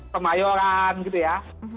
pemayoran gitu ya